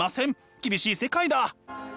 厳しい世界だ。